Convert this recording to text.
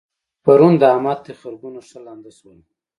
پرون د احمد تخرګونه ښه لانده شول.